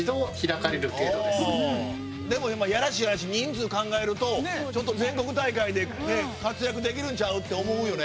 でも今やらしい話人数考えると全国大会で活躍できるんちゃう？って思うよね。